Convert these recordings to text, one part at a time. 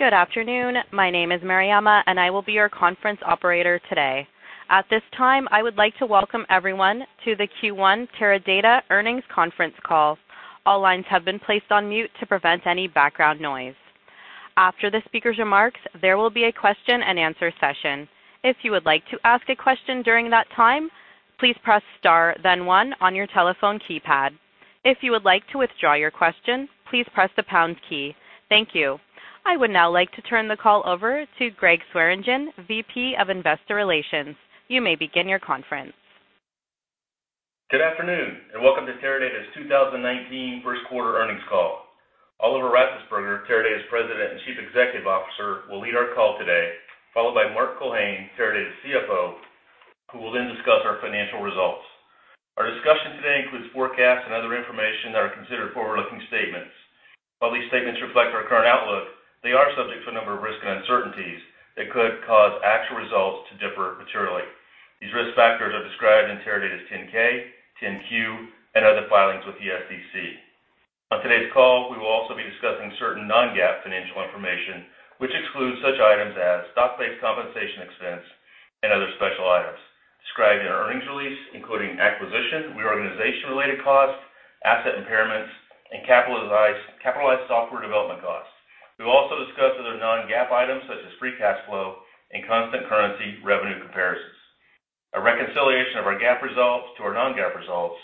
Good afternoon. My name is Mariama, and I will be your conference operator today. At this time, I would like to welcome everyone to the Q1 Teradata Earnings Conference Call. All lines have been placed on mute to prevent any background noise. After the speaker's remarks, there will be a question and answer session. If you would like to ask a question during that time, please press star then one on your telephone keypad. If you would like to withdraw your question, please press the pound key. Thank you. I would now like to turn the call over to Gregg Swearingen, VP of Investor Relations. You may begin your conference. Good afternoon, and welcome to Teradata's 2019 first quarter earnings call. Oliver Ratzesberger, Teradata's President and Chief Executive Officer, will lead our call today, followed by Mark Culhane, Teradata's CFO, who will then discuss our financial results. Our discussion today includes forecasts and other information that are considered forward-looking statements. While these statements reflect our current outlook, they are subject to a number of risks and uncertainties that could cause actual results to differ materially. These risk factors are described in Teradata's 10-K, 10-Q, and other filings with the SEC. On today's call, we will also be discussing certain non-GAAP financial information, which excludes such items as stock-based compensation expense and other special items described in our earnings release, including acquisition, reorganization-related costs, asset impairments, and capitalized software development costs. We will also discuss other non-GAAP items such as free cash flow and constant currency revenue comparisons. A reconciliation of our GAAP results to our non-GAAP results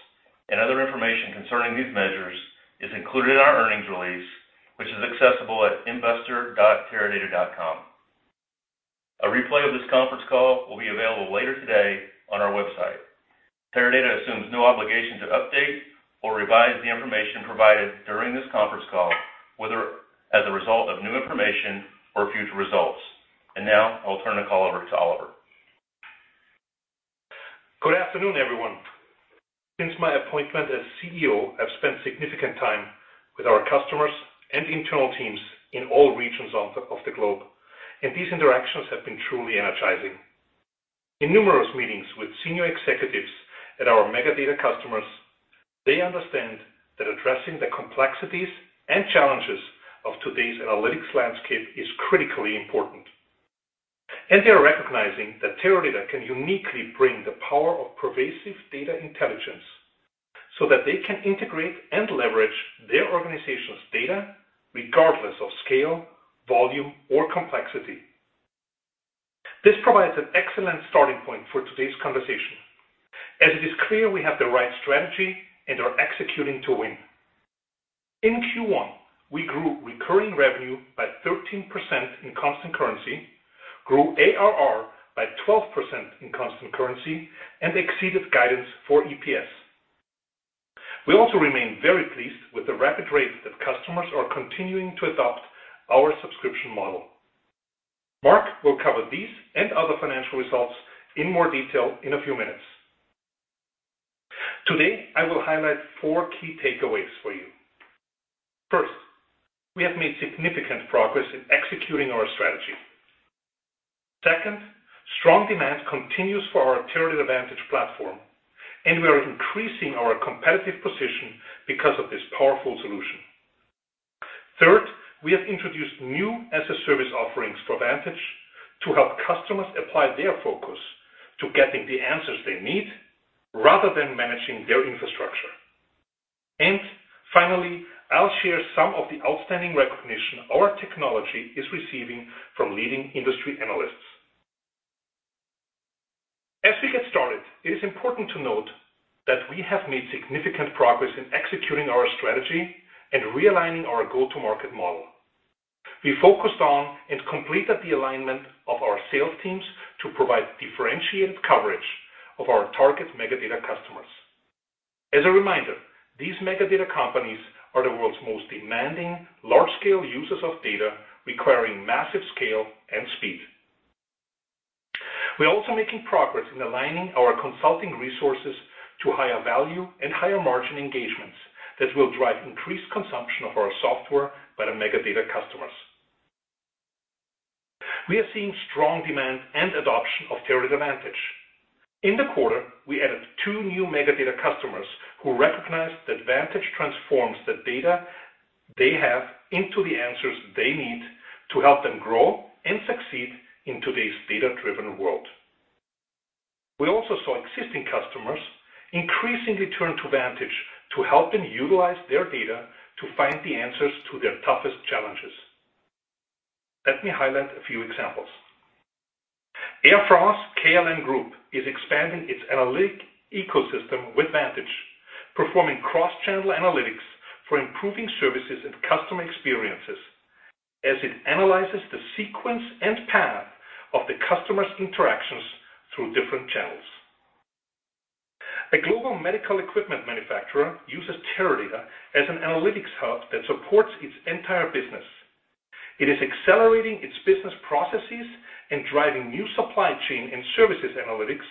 and other information concerning these measures is included in our earnings release, which is accessible at investor.teradata.com. A replay of this conference call will be available later today on our website. Teradata assumes no obligation to update or revise the information provided during this conference call, whether as a result of new information or future results. Now I'll turn the call over to Oliver. Good afternoon, everyone. Since my appointment as CEO, I've spent significant time with our customers and internal teams in all regions of the globe, and these interactions have been truly energizing. In numerous meetings with senior executives at our mega data customers, they understand that addressing the complexities and challenges of today's analytics landscape is critically important, and they are recognizing that Teradata can uniquely bring the power of pervasive data intelligence so that they can integrate and leverage their organization's data regardless of scale, volume, or complexity. This provides an excellent starting point for today's conversation, as it is clear we have the right strategy and are executing to win. In Q1, we grew recurring revenue by 13% in constant currency, grew ARR by 12% in constant currency, and exceeded guidance for EPS. We also remain very pleased with the rapid rate that customers are continuing to adopt our subscription model. Mark will cover these and other financial results in more detail in a few minutes. Today, I will highlight four key takeaways for you. First, we have made significant progress in executing our strategy. Second, strong demand continues for our Teradata Vantage platform, and we are increasing our competitive position because of this powerful solution. Third, we have introduced new as-a-service offerings for Vantage to help customers apply their focus to getting the answers they need rather than managing their infrastructure. Finally, I'll share some of the outstanding recognition our technology is receiving from leading industry analysts. As we get started, it is important to note that we have made significant progress in executing our strategy and realigning our go-to-market model. We focused on and completed the alignment of our sales teams to provide differentiated coverage of our target mega data customers. As a reminder, these mega data companies are the world's most demanding large-scale users of data requiring massive scale and speed. We are also making progress in aligning our consulting resources to higher value and higher margin engagements that will drive increased consumption of our software by the mega data customers. We are seeing strong demand and adoption of Teradata Vantage. In the quarter, we added two new mega data customers who recognized that Vantage transforms the data they have into the answers they need to help them grow and succeed in today's data-driven world. We also saw existing customers increasingly turn to Vantage to help them utilize their data to find the answers to their toughest challenges. Let me highlight a few examples. Air France-KLM Group is expanding its analytic ecosystem with Vantage, performing cross-channel analytics for improving services and customer experiences as it analyzes the sequence and path of the customer's interactions through different channels. A global medical equipment manufacturer uses Teradata as an analytics hub that supports its entire business. It is accelerating its business processes and driving new supply chain and services analytics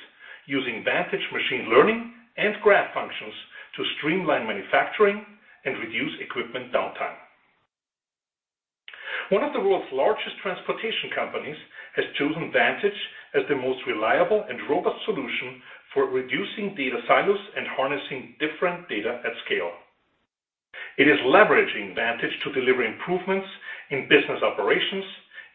using Vantage machine learning and graph functions to streamline manufacturing and reduce equipment downtime. One of the world's largest transportation companies has chosen Vantage as the most reliable and robust solution for reducing data silos and harnessing different data at scale. It is leveraging Vantage to deliver improvements in business operations,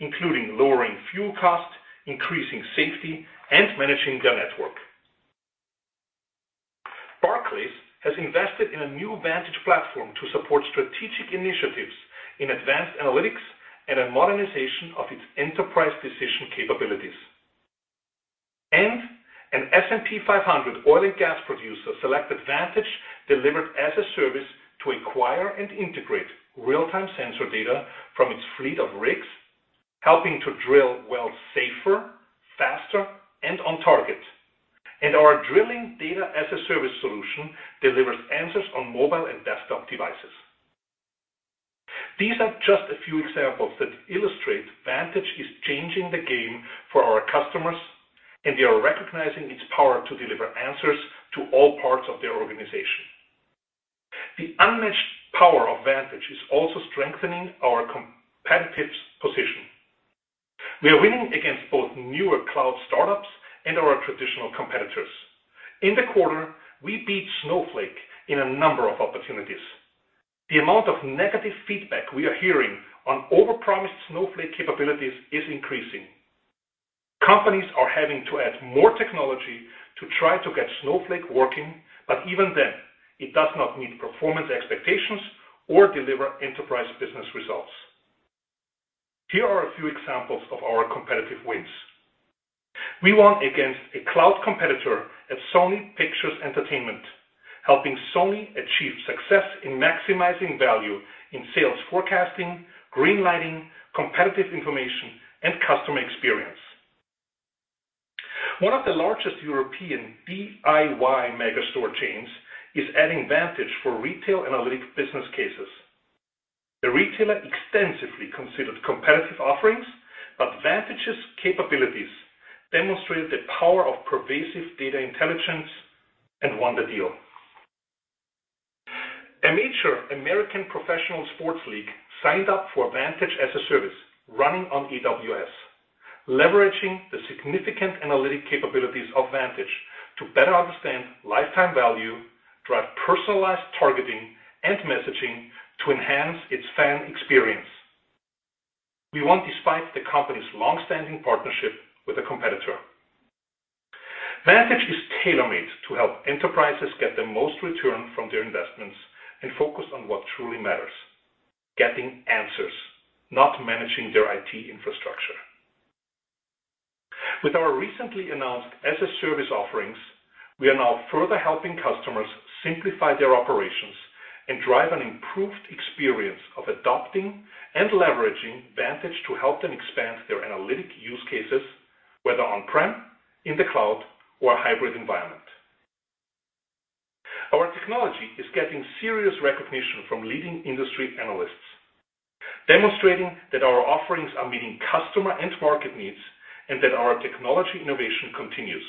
including lowering fuel costs, increasing safety, and managing their network. Barclays has invested in a new Vantage platform to support strategic initiatives in advanced analytics and a modernization of its enterprise decision capabilities. An S&P 500 oil and gas producer selected Vantage delivered as a service to acquire and integrate real-time sensor data from its fleet of rigs, helping to drill wells safer, faster, and on target. Our drilling data-as-a-service solution delivers answers on mobile and desktop devices. These are just a few examples that illustrate Vantage is changing the game for our customers, and they are recognizing its power to deliver answers to all parts of their organization. The unmatched power of Vantage is also strengthening our competitive position. We are winning against both newer cloud startups and our traditional competitors. In the quarter, we beat Snowflake in a number of opportunities. The amount of negative feedback we are hearing on overpromised Snowflake capabilities is increasing. Companies are having to add more technology to try to get Snowflake working, but even then, it does not meet performance expectations or deliver enterprise business results. Here are a few examples of our competitive wins. We won against a cloud competitor at Sony Pictures Entertainment, helping Sony achieve success in maximizing value in sales forecasting, green lighting, competitive information, and customer experience. One of the largest European DIY mega store chains is adding Vantage for retail analytic business cases. The retailer extensively considered competitive offerings, but Vantage's capabilities demonstrated the power of pervasive data intelligence and won the deal. A major American professional sports league signed up for Vantage as a service running on AWS, leveraging the significant analytic capabilities of Vantage to better understand lifetime value, drive personalized targeting and messaging to enhance its fan experience. We won despite the company's long-standing partnership with a competitor. Vantage is tailor-made to help enterprises get the most return from their investments and focus on what truly matters, getting answers, not managing their IT infrastructure. With our recently announced as-a-service offerings, we are now further helping customers simplify their operations and drive an improved experience of adopting and leveraging Vantage to help them expand their analytic use cases, whether on-prem, in the cloud, or a hybrid environment. Our technology is getting serious recognition from leading industry analysts, demonstrating that our offerings are meeting customer and market needs, and that our technology innovation continues.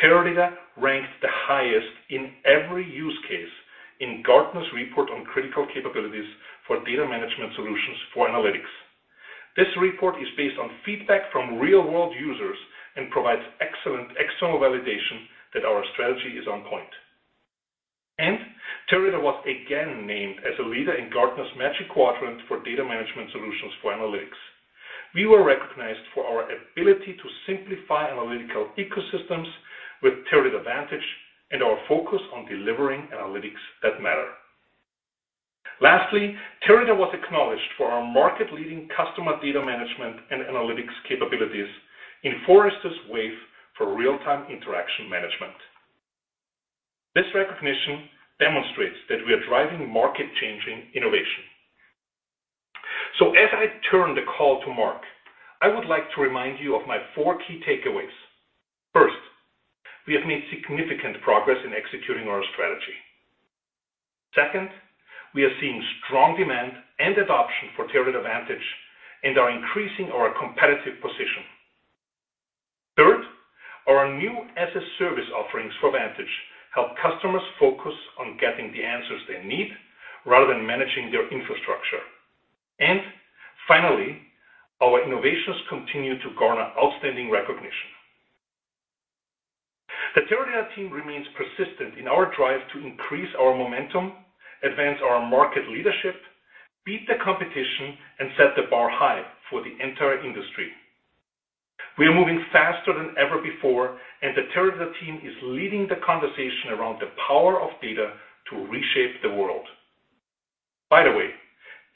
Teradata ranked the highest in every use case in Gartner's report on critical capabilities for data management solutions for analytics. This report is based on feedback from real-world users and provides excellent external validation that our strategy is on point. Teradata was again named as a leader in Gartner's Magic Quadrant for Data Management Solutions for Analytics. We were recognized for our ability to simplify analytical ecosystems with Teradata Vantage and our focus on delivering analytics that matter. Lastly, Teradata was acknowledged for our market-leading customer data management and analytics capabilities in Forrester's Wave for real-time interaction management. As I turn the call to Mark, I would like to remind you of my four key takeaways. First, we have made significant progress in executing our strategy. Second, we are seeing strong demand and adoption for Teradata Vantage and are increasing our competitive position. Third, our new as-a-service offerings for Vantage help customers focus on getting the answers they need rather than managing their infrastructure. Finally, our innovations continue to garner outstanding recognition. The Teradata team remains persistent in our drive to increase our momentum, advance our market leadership, beat the competition, and set the bar high for the entire industry. We are moving faster than ever before, the Teradata team is leading the conversation around the power of data to reshape the world. By the way,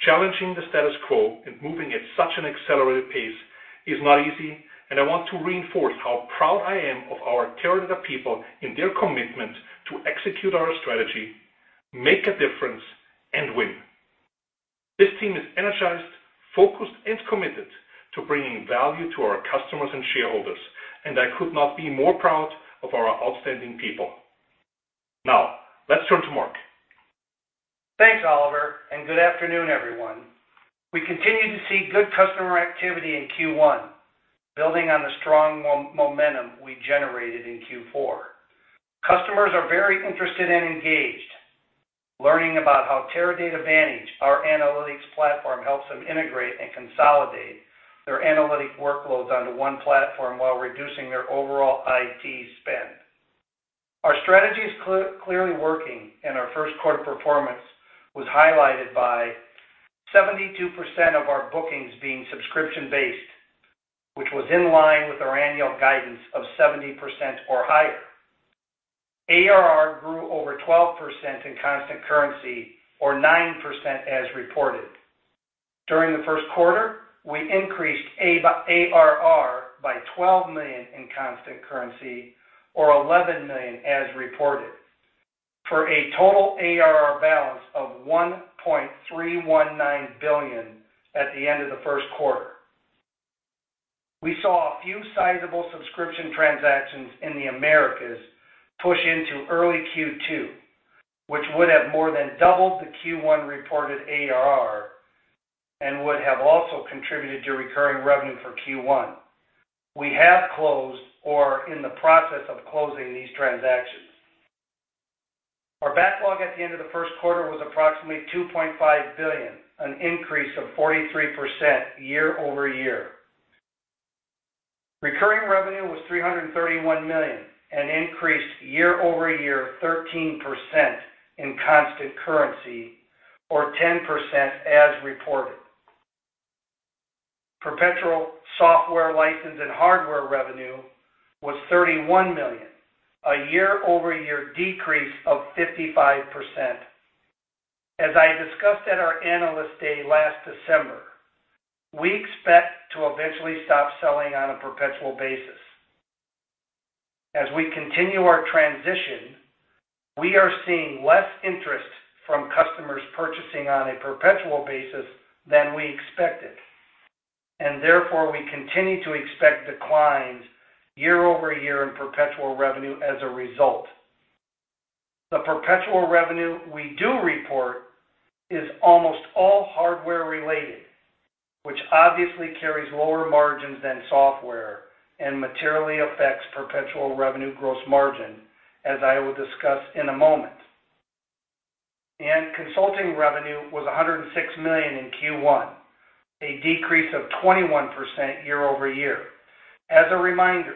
challenging the status quo and moving at such an accelerated pace is not easy, I want to reinforce how proud I am of our Teradata people in their commitment to execute our strategy, make a difference, and win. This team is energized, focused, and committed to bringing value to our customers and shareholders, I could not be more proud of our outstanding people. Now, let's turn to Mark. Thanks, Oliver, and good afternoon, everyone. We continue to see good customer activity in Q1, building on the strong momentum we generated in Q4. Customers are very interested and engaged, learning about how Teradata Vantage, our analytics platform, helps them integrate and consolidate their analytic workloads onto one platform while reducing their overall IT spend. Our strategy is clearly working, and our first quarter performance was highlighted by 72% of our bookings being subscription-based, which was in line with our annual guidance of 70% or higher. ARR grew over 12% in constant currency, or 9% as reported. During the first quarter, we increased ARR by $12 million in constant currency, or $11 million as reported, for a total ARR balance of $1.319 billion at the end of the first quarter. We saw a few sizable subscription transactions in the Americas push into early Q2, which would have more than doubled the Q1 reported ARR and would have also contributed to recurring revenue for Q1. We have closed or are in the process of closing these transactions. Our backlog at the end of the first quarter was approximately $2.5 billion, an increase of 43% year-over-year. Recurring revenue was $331 million, an increase year-over-year of 13% in constant currency, or 10% as reported. Perpetual software license and hardware revenue was $31 million, a year-over-year decrease of 55%. As I discussed at our Analyst Day last December, we expect to eventually stop selling on a perpetual basis. As we continue our transition, we are seeing less interest from customers purchasing on a perpetual basis than we expected, therefore, we continue to expect declines year-over-year in perpetual revenue as a result. The perpetual revenue we do report is almost all hardware-related, which obviously carries lower margins than software and materially affects perpetual revenue gross margin, as I will discuss in a moment. Consulting revenue was $106 million in Q1, a decrease of 21% year-over-year. As a reminder,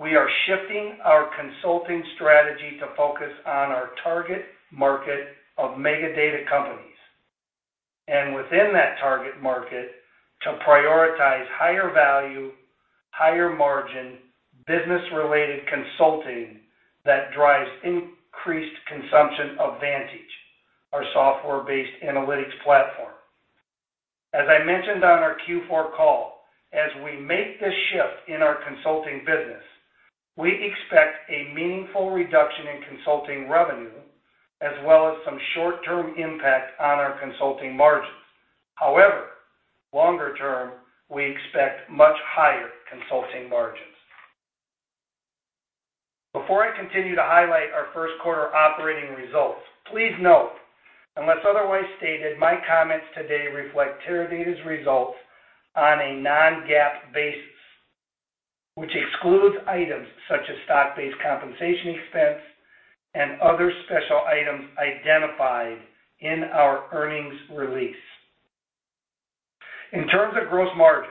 we are shifting our consulting strategy to focus on our target market of mega data companies, and within that target market, to prioritize higher value, higher margin, business-related consulting that drives increased consumption of Vantage, our software-based analytics platform. As I mentioned on our Q4 call, as we make this shift in our consulting business, we expect a meaningful reduction in consulting revenue, as well as some short-term impact on our consulting margins. However, longer term, we expect much higher consulting margins. Before I continue to highlight our first quarter operating results, please note, unless otherwise stated, my comments today reflect Teradata's results on a non-GAAP basis, which excludes items such as stock-based compensation expense and other special items identified in our earnings release. In terms of gross margin,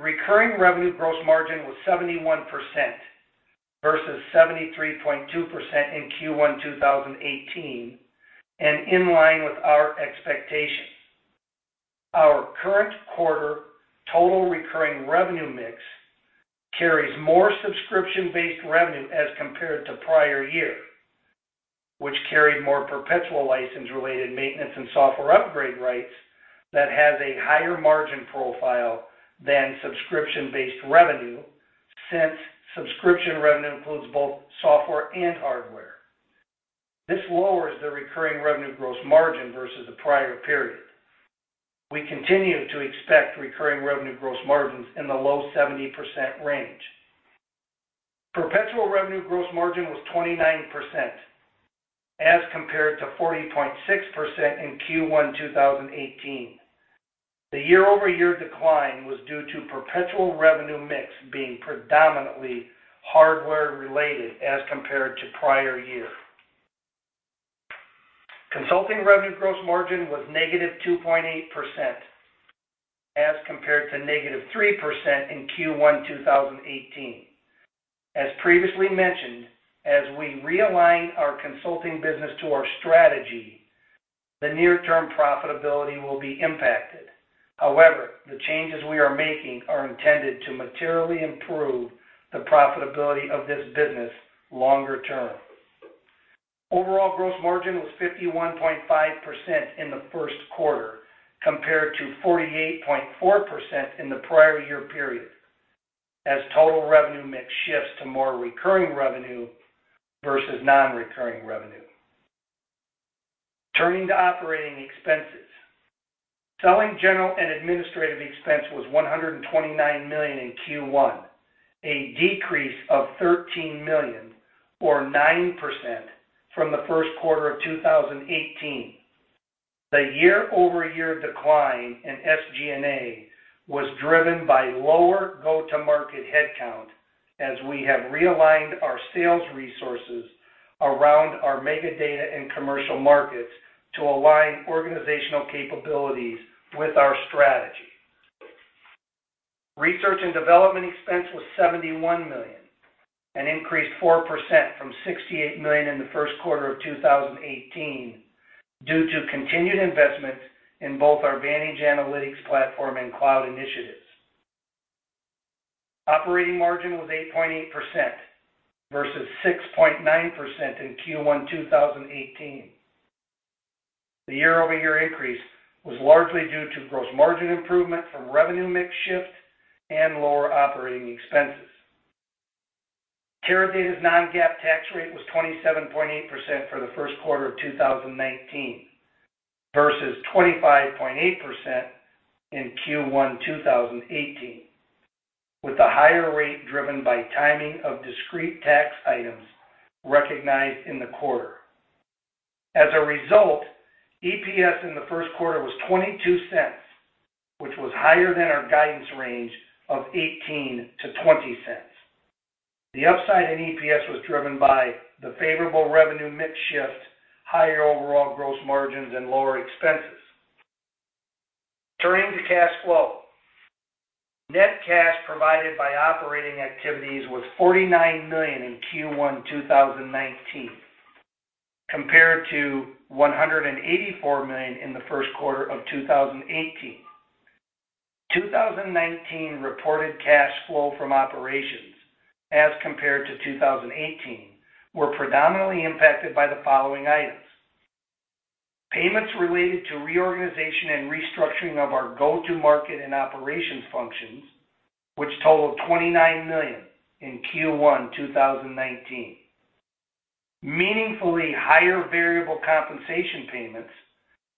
recurring revenue gross margin was 71% versus 73.2% in Q1 2018, and in line with our expectations. Our current quarter total recurring revenue mix carries more subscription-based revenue as compared to prior year, which carried more perpetual license-related maintenance and software upgrade rights that has a higher margin profile than subscription-based revenue, since subscription revenue includes both software and hardware. This lowers the recurring revenue gross margin versus the prior period. We continue to expect recurring revenue gross margins in the low 70% range. Perpetual revenue gross margin was 29%, as compared to 40.6% in Q1 2018. The year-over-year decline was due to perpetual revenue mix being predominantly hardware related as compared to prior year. Consulting revenue gross margin was -2.8%, as compared to -3% in Q1 2018. As previously mentioned, as we realign our consulting business to our strategy, the near-term profitability will be impacted. However, the changes we are making are intended to materially improve the profitability of this business longer-term. Overall gross margin was 51.5% in the first quarter, compared to 48.4% in the prior year period, as total revenue mix shifts to more recurring revenue versus non-recurring revenue. Turning to operating expenses. Selling, general and administrative expense was $129 million in Q1, a decrease of $13 million or 9% from the first quarter of 2018. The year-over-year decline in SG&A was driven by lower go-to-market headcount as we have realigned our sales resources around our mega data and commercial markets to align organizational capabilities with our strategy. Research and development expense was $71 million, an increase 4% from $68 million in the first quarter of 2018, due to continued investments in both our Vantage analytics platform and cloud initiatives. Operating margin was 8.8% versus 6.9% in Q1 2018. The year-over-year increase was largely due to gross margin improvement from revenue mix shift and lower operating expenses. Teradata's non-GAAP tax rate was 27.8% for the first quarter of 2019, versus 25.8% in Q1 2018, with the higher rate driven by timing of discrete tax items recognized in the quarter. As a result, EPS in the first quarter was $0.22, which was higher than our guidance range of $0.18-$0.20. The upside in EPS was driven by the favorable revenue mix shift, higher overall gross margins, and lower expenses. Turning to cash flow. Net cash provided by operating activities was $49 million in Q1 2019, compared to $184 million in the first quarter of 2018. 2019 reported cash flow from operations, as compared to 2018, were predominantly impacted by the following items. Payments related to reorganization and restructuring of our go-to-market and operations functions, which totaled $29 million in Q1 2019. Meaningfully higher variable compensation payments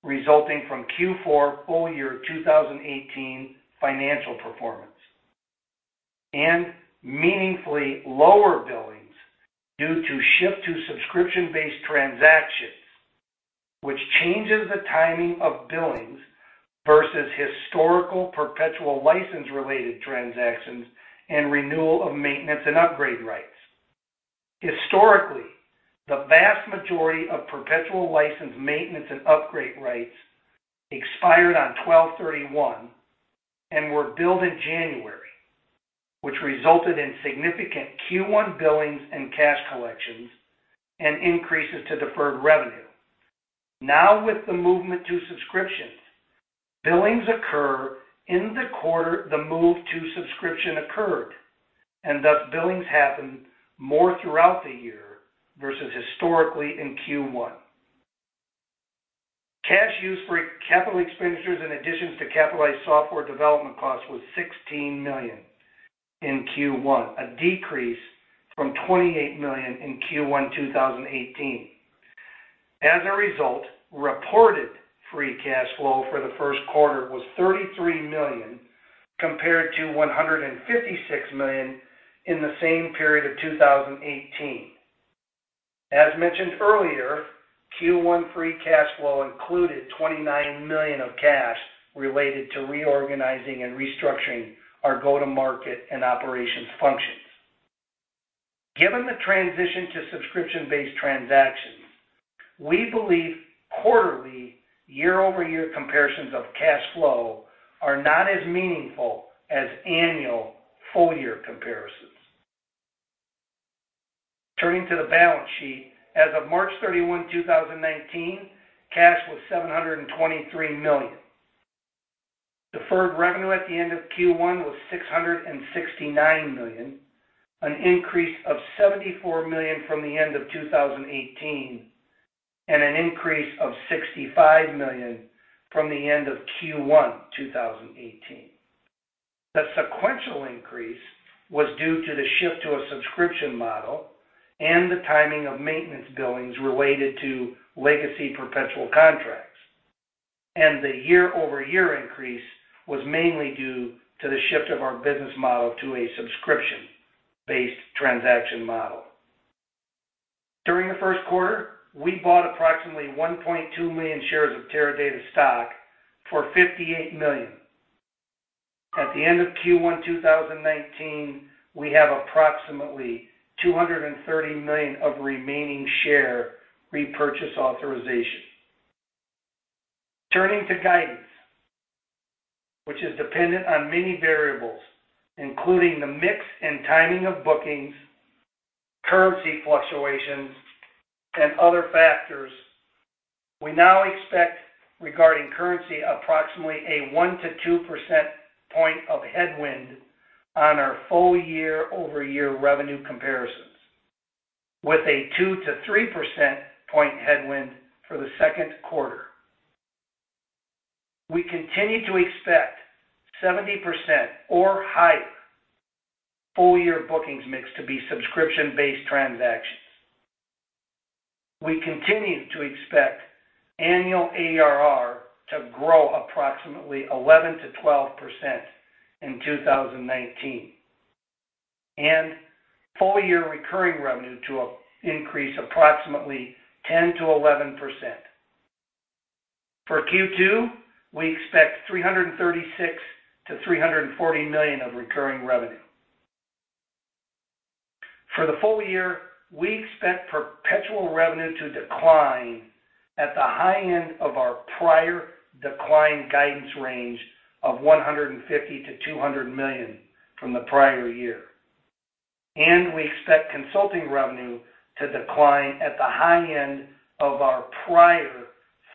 resulting from Q4 full year 2018 financial performance. And meaningfully lower billings due to shift to subscription-based transactions, which changes the timing of billings versus historical perpetual license-related transactions and renewal of maintenance and upgrade rights. Historically, the vast majority of perpetual license maintenance and upgrade rights expired on 12/31 and were billed in January, which resulted in significant Q1 billings and cash collections, and increases to deferred revenue. Now with the movement to subscriptions, billings occur in the quarter the move to subscription occurred, and thus billings happen more throughout the year versus historically in Q1. Cash used for capital expenditures in addition to capitalized software development costs was $16 million in Q1, a decrease from $28 million in Q1 2018. As a result, reported free cash flow for the first quarter was $33 million, compared to $156 million in the same period of 2018. As mentioned earlier, Q1 free cash flow included $29 million of cash related to reorganizing and restructuring our go-to-market and operations functions. Given the transition to subscription-based transactions, we believe quarterly year-over-year comparisons of cash flow are not as meaningful as annual full-year comparisons. Turning to the balance sheet. As of March 31, 2019, cash was $723 million. Deferred revenue at the end of Q1 was $669 million, an increase of $74 million from the end of 2018, and an increase of $65 million from the end of Q1 2018. The sequential increase was due to the shift to a subscription model and the timing of maintenance billings related to legacy perpetual contracts, and the year-over-year increase was mainly due to the shift of our business model to a subscription-based transaction model. During the first quarter, we bought approximately 1.2 million shares of Teradata stock for $58 million. At the end of Q1 2019, we have approximately $230 million of remaining share repurchase authorization. Turning to guidance, which is dependent on many variables, including the mix and timing of bookings, currency fluctuations, and other factors. We now expect, regarding currency, approximately a 1%-2% point of headwind on our full year-over-year revenue comparisons, with a 2%-3% point headwind for the second quarter. We continue to expect 70% or higher full-year bookings mix to be subscription-based transactions. We continue to expect annual ARR to grow approximately 11%-12% in 2019, and full-year recurring revenue to increase approximately 10%-11%. For Q2, we expect $336 million-$340 million of recurring revenue. For the full year, we expect perpetual revenue to decline at the high end of our prior decline guidance range of $150 million-$200 million from the prior year. We expect consulting revenue to decline at the high end of our prior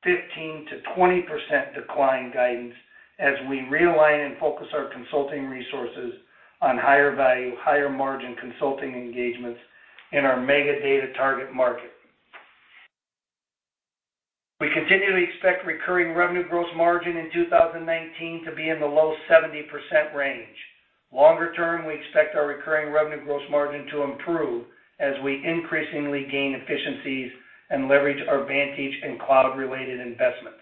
15%-20% decline guidance as we realign and focus our consulting resources on higher value, higher margin consulting engagements in our mega data target market. We continue to expect recurring revenue gross margin in 2019 to be in the low 70% range. Longer term, we expect our recurring revenue gross margin to improve as we increasingly gain efficiencies and leverage our Vantage and cloud related investments.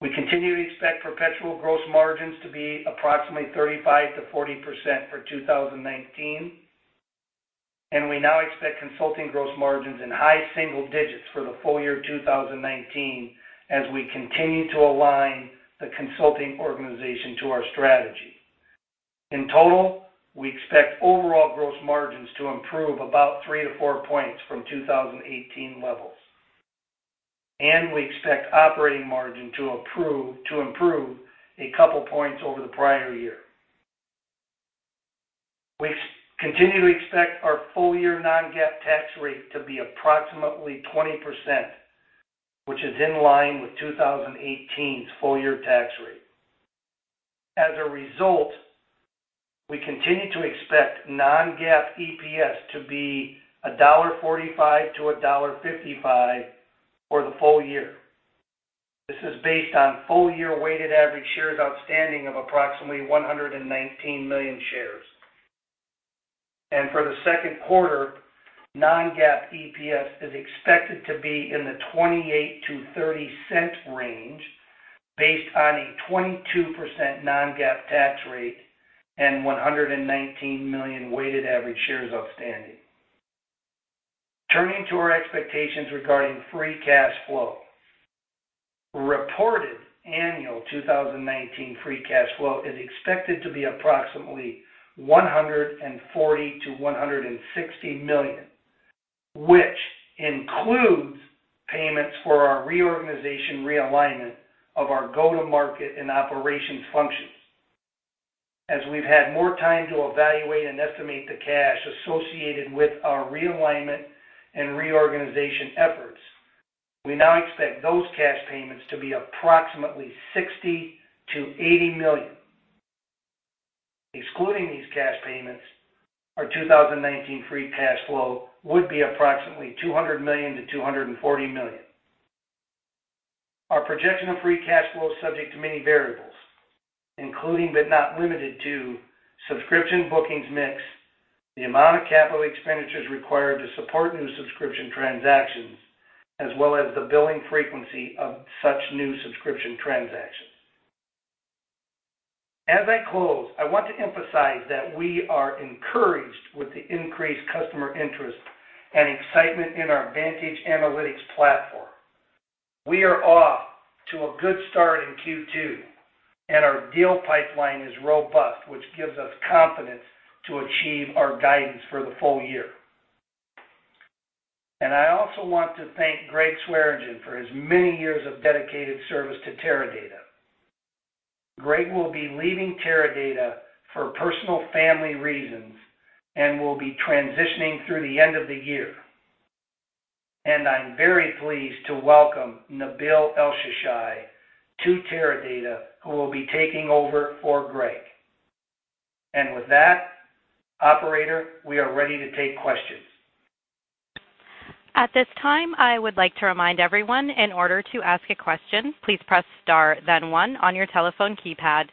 We continue to expect perpetual gross margins to be approximately 35%-40% for 2019, and we now expect consulting gross margins in high single digits for the full year 2019, as we continue to align the consulting organization to our strategy. In total, we expect overall gross margins to improve about 3-4 points from 2018 levels. We expect operating margin to improve a couple points over the prior year. We continue to expect our full year non-GAAP tax rate to be approximately 20%, which is in line with 2018's full year tax rate. As a result, we continue to expect non-GAAP EPS to be $1.45-$1.55 for the full year. This is based on full year weighted average shares outstanding of approximately 119 million shares. For the second quarter, non-GAAP EPS is expected to be in the $0.28-$0.30 range, based on a 22% non-GAAP tax rate and 119 million weighted average shares outstanding. Turning to our expectations regarding free cash flow. Reported annual 2019 free cash flow is expected to be approximately $140 million-$160 million, which includes payments for our reorganization realignment of our go-to-market and operations functions. As we've had more time to evaluate and estimate the cash associated with our realignment and reorganization efforts, we now expect those cash payments to be approximately $60 million-$80 million. Excluding these cash payments, our 2019 free cash flow would be approximately $200 million-$240 million. Our projection of free cash flow is subject to many variables, including but not limited to subscription bookings mix, the amount of capital expenditures required to support new subscription transactions, as well as the billing frequency of such new subscription transactions. As I close, I want to emphasize that we are encouraged with the increased customer interest and excitement in our Vantage analytics platform. We are off to a good start in Q2, and our deal pipeline is robust, which gives us confidence to achieve our guidance for the full year. I also want to thank Gregg Swearingen for his many years of dedicated service to Teradata. Gregg will be leaving Teradata for personal family reasons and will be transitioning through the end of the year. I'm very pleased to welcome Nabil Elsheshai to Teradata, who will be taking over for Gregg. With that, operator, we are ready to take questions. At this time, I would like to remind everyone, in order to ask a question, please press star then one on your telephone keypad.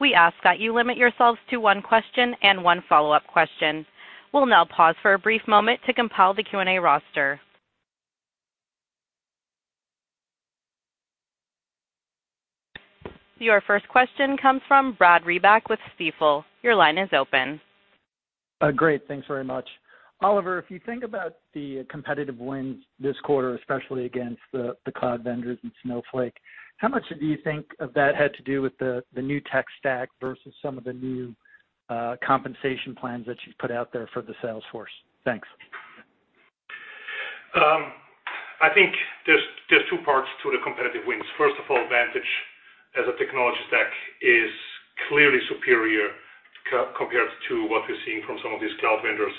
We ask that you limit yourselves to one question and one follow-up question. We'll now pause for a brief moment to compile the Q&A roster. Your first question comes from Brad Reback with Stifel. Your line is open. Great. Thanks very much. Oliver, if you think about the competitive wins this quarter, especially against the cloud vendors and Snowflake, how much do you think of that had to do with the new tech stack versus some of the new compensation plans that you've put out there for the sales force? Thanks. I think there's two parts to the competitive wins. First of all, Vantage as a technology stack is clearly superior compared to what we're seeing from some of these cloud vendors.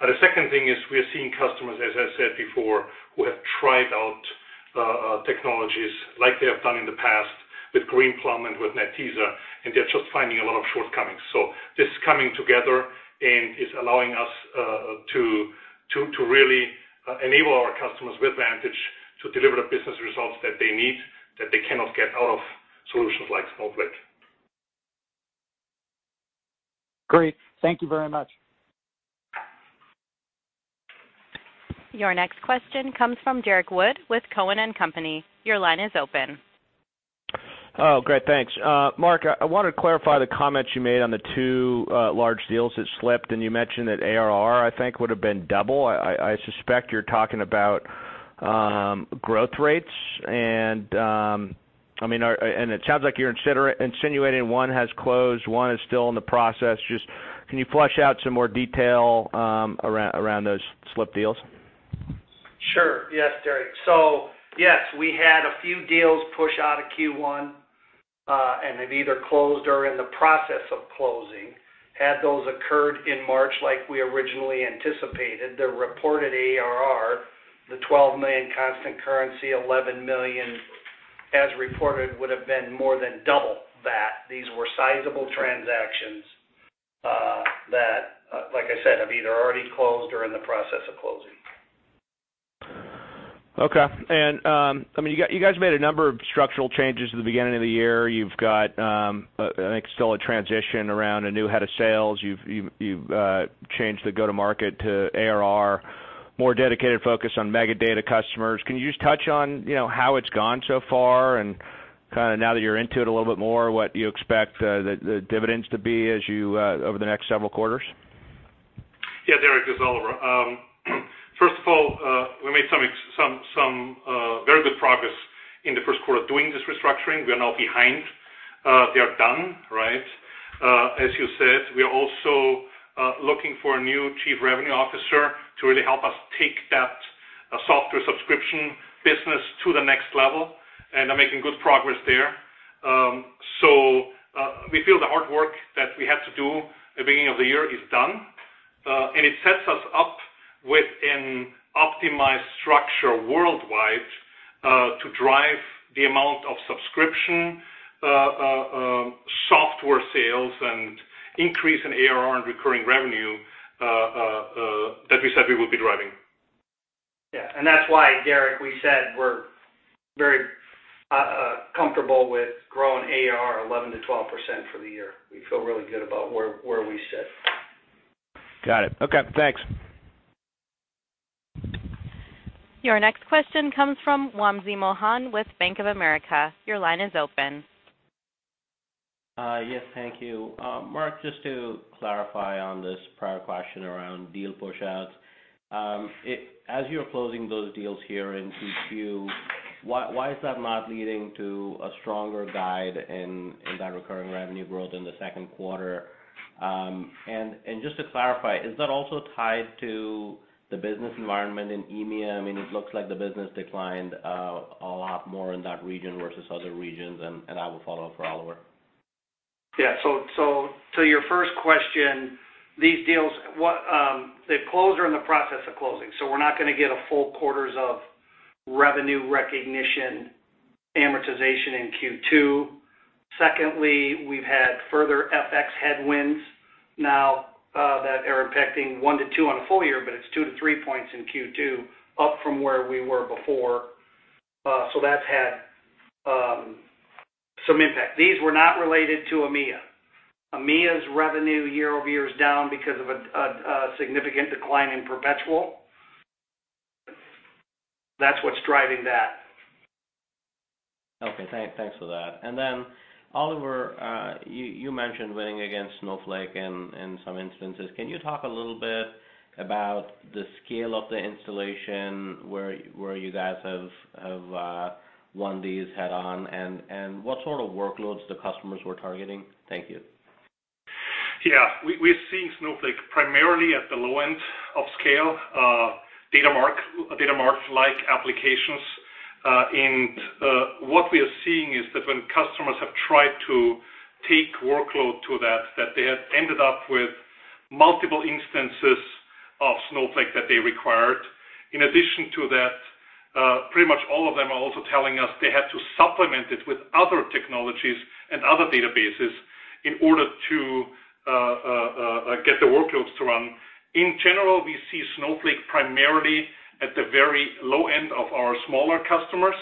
The second thing is we are seeing customers, as I said before, who have tried out technologies like they have done in the past with Greenplum and with Netezza, and they're just finding a lot of shortcomings. This is coming together and is allowing us to really enable our customers with Vantage to deliver the business results that they need, that they cannot get out of solutions like Snowflake. Great. Thank you very much. Your next question comes from Derrick Wood with Cowen and Company. Your line is open. Great. Thanks. Mark, I want to clarify the comments you made on the two large deals that slipped, and you mentioned that ARR, I think, would have been double. I suspect you're talking about growth rates, and it sounds like you're insinuating one has closed, one is still in the process. Can you flesh out some more detail around those slipped deals? Yes, Derrick. Yes, we had a few deals push out of Q1 and have either closed or are in the process of closing. Had those occurred in March like we originally anticipated, the reported ARR, the $12 million constant currency, $11 million as reported, would've been more than double that. These were sizable transactions that, like I said, have either already closed or are in the process of closing. You guys made a number of structural changes at the beginning of the year. You've got, I think, still a transition around a new head of sales. You've changed the go-to-market to ARR, more dedicated focus on mega data customers. Can you just touch on how it's gone so far and now that you're into it a little bit more, what you expect the dividends to be over the next several quarters? Derrick, this is Oliver. First of all, we made some very good progress in the first quarter doing this restructuring. We are now behind. We are done, right? As you said, we are also looking for a new chief revenue officer to really help us take that software subscription business to the next level and are making good progress there. We feel the hard work that we had to do at the beginning of the year is done. It sets us up with an optimized structure worldwide to drive the amount of subscription software sales and increase in ARR and recurring revenue that we said we would be driving. That's why, Derrick, we said we're very comfortable with growing ARR 11%-12% for the year. We feel really good about where we sit. Got it. Okay, thanks. Your next question comes from Wamsi Mohan with Bank of America. Your line is open. Yes, thank you. Mark, just to clarify on this prior question around deal push-outs. As you're closing those deals here in Q2, why is that not leading to a stronger guide in that recurring revenue growth in the second quarter? Just to clarify, is that also tied to the business environment in EMEA? It looks like the business declined a lot more in that region versus other regions. I will follow up for Oliver. Yeah. To your first question, these deals, they've closed or are in the process of closing, so we're not going to get a full quarters of revenue recognition amortization in Q2. Secondly, we've had further FX headwinds now that are impacting 1-2 points on a full year, but it's 2-3 points in Q2 up from where we were before. That's had some impact. These were not related to EMEA. EMEA's revenue year-over-year is down because of a significant decline in perpetual. That's what's driving that. Okay. Thanks for that. Oliver, you mentioned winning against Snowflake in some instances. Can you talk a little bit about the scale of the installation where you guys have won these head on, and what sort of workloads the customers were targeting? Thank you. Yeah. We're seeing Snowflake primarily at the low end of scale, Datamart-like applications. What we are seeing is that when customers have tried to take workload to that they have ended up with multiple instances of Snowflake that they required. In addition to that, pretty much all of them are also telling us they had to supplement it with other technologies and other databases in order to get the workloads to run. In general, we see Snowflake primarily at the very low end of our smaller customers.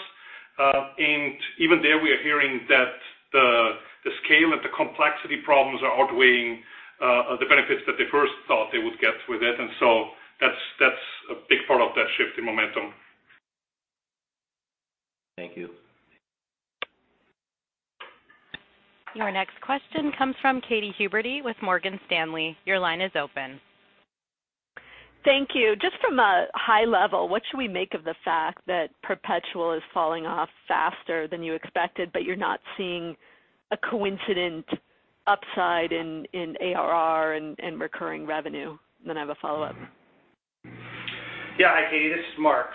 Even there, we are hearing that the scale and the complexity problems are outweighing the benefits that they first thought they would get with it. So that's a big part of that shift in momentum. Thank you. Your next question comes from Katy Huberty with Morgan Stanley. Your line is open. Thank you. Just from a high level, what should we make of the fact that perpetual is falling off faster than you expected, but you're not seeing a coincident upside in ARR and recurring revenue? I have a follow-up. Yeah. Hi, Katy, this is Mark.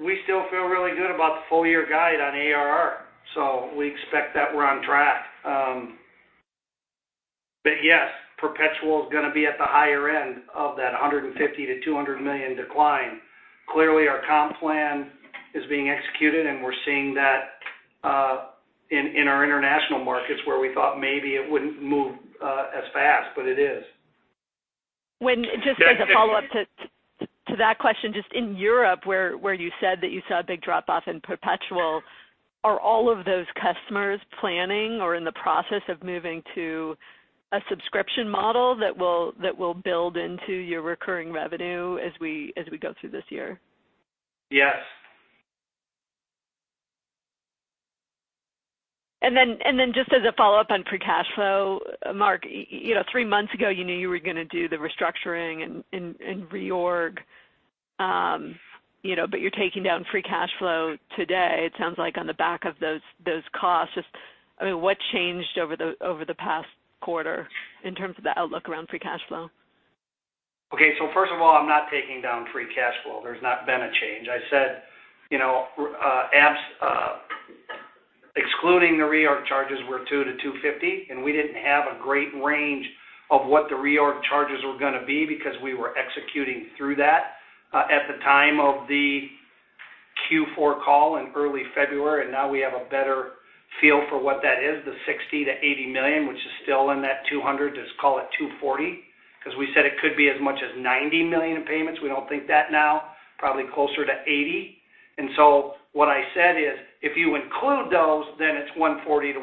We still feel really good about the full-year guide on ARR, so we expect that we're on track. Yes, perpetual is going to be at the higher end of that $150 million-$200 million decline. Clearly, our comp plan is being executed, and we're seeing that in our international markets where we thought maybe it wouldn't move as fast, but it is. Just as a follow-up to that question, just in Europe where you said that you saw a big drop-off in perpetual? Are all of those customers planning or in the process of moving to a subscription model that will build into your recurring revenue as we go through this year? Yes. Just as a follow-up on free cash flow, Mark, three months ago you knew you were going to do the restructuring and reorg, but you're taking down free cash flow today, it sounds like, on the back of those costs. Just, what changed over the past quarter in terms of the outlook around free cash flow? Okay. First of all, I'm not taking down free cash flow. There's not been a change. I said, excluding the reorg charges, we're $200 million-$250 million. We didn't have a great range of what the reorg charges were going to be because we were executing through that at the time of the Q4 call in early February. Now we have a better feel for what that is, the $60 million-$80 million, which is still in that $200 million, just call it $240 million, because we said it could be as much as $90 million in payments. We don't think that now, probably closer to $80 million. What I said is, if you include those, then it's $140 million-$160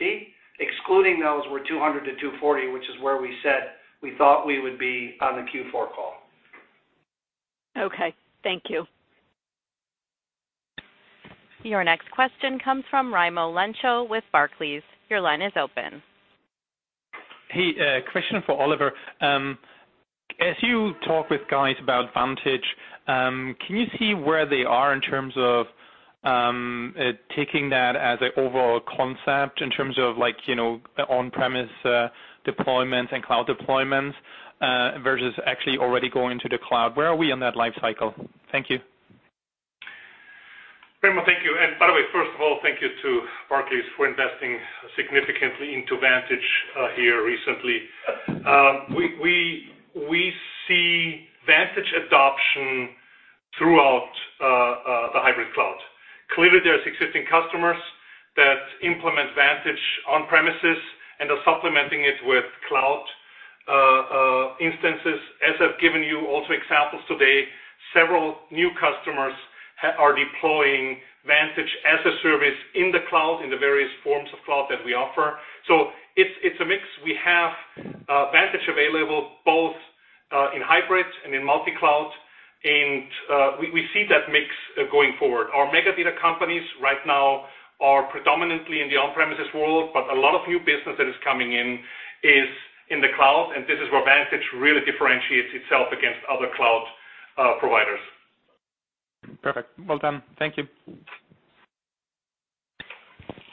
million. Excluding those, we're $200 million-$240 million, which is where we said we thought we would be on the Q4 call. Okay. Thank you. Your next question comes from Raimo Lenschow with Barclays. Your line is open. Hey, a question for Oliver. As you talk with guys about Vantage, can you see where they are in terms of taking that as an overall concept in terms of on-premise deployments and cloud deployments versus actually already going to the cloud? Where are we in that life cycle? Thank you. Raimo, thank you. By the way, first of all, thank you to Barclays for investing significantly into Vantage here recently. We see Vantage adoption throughout the hybrid cloud. Clearly, there's existing customers that implement Vantage on-premises and are supplementing it with cloud instances. As I've given you also examples today, several new customers are deploying Vantage as a service in the cloud, in the various forms of cloud that we offer. It's a mix. We have Vantage available both in hybrid and in multi-cloud, and we see that mix going forward. Our mega data companies right now are predominantly in the on-premises world, but a lot of new business that is coming in is in the cloud, and this is where Vantage really differentiates itself against other cloud providers. Perfect. Well done. Thank you.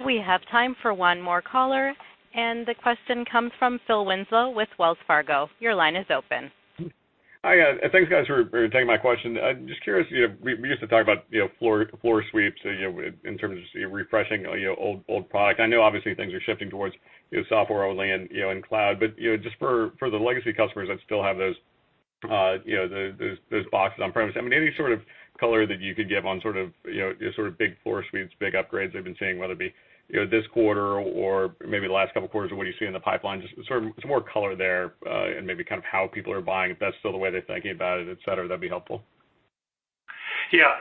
We have time for one more caller. The question comes from Phil Winslow with Wells Fargo. Your line is open. Hi, guys. Thanks, guys, for taking my question. Just curious, we used to talk about floor sweeps in terms of refreshing old product. I know obviously things are shifting towards software only and cloud, but just for the legacy customers that still have those boxes on-premises, any sort of color that you could give on sort of big floor sweeps, big upgrades they've been seeing, whether it be this quarter or maybe the last couple of quarters, or what you see in the pipeline, just some more color there, and maybe how people are buying, if that's still the way they're thinking about it, et cetera, that'd be helpful. Yeah.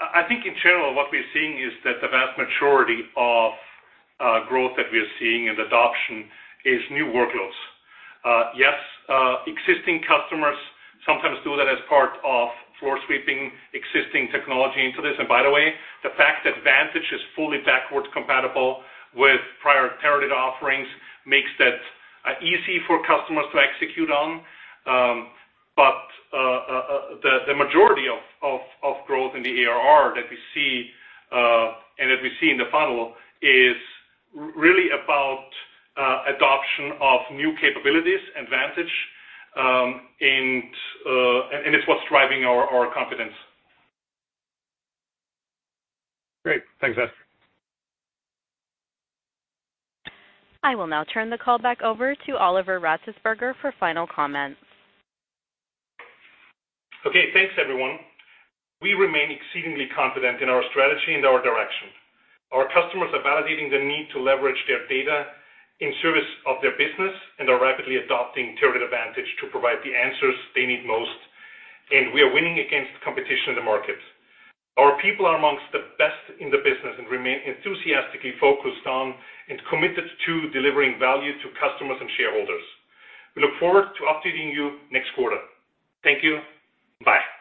I think in general, what we're seeing is that the vast majority of growth that we are seeing in adoption is new workloads. Yes, existing customers sometimes do that as part of floor sweeping existing technology into this. By the way, the fact that Vantage is fully backwards compatible with prior Teradata offerings makes that easy for customers to execute on. The majority of growth in the ARR that we see and that we see in the funnel is really about adoption of new capabilities and Vantage, and it's what's driving our confidence. Great. Thanks, guys. I will now turn the call back over to Oliver Ratzesberger for final comments. Okay. Thanks, everyone. We remain exceedingly confident in our strategy and our direction. Our customers are validating the need to leverage their data in service of their business and are rapidly adopting Teradata Vantage to provide the answers they need most. We are winning against competition in the market. Our people are amongst the best in the business and remain enthusiastically focused on and committed to delivering value to customers and shareholders. We look forward to updating you next quarter. Thank you. Bye.